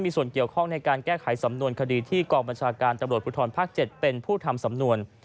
มีส่วนเกี่ยวข้องในการแก้ไขสำนวนคดีที่กองบัญชาการตำรวจภูทรภาค๗เป็นผู้ทำสำนวน